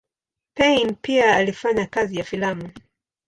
Payn pia alifanya kazi ya filamu.